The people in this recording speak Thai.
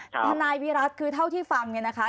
ทนายวิรัติคือเท่าที่ฟังเนี่ยนะคะ